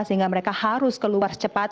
sehingga mereka harus keluar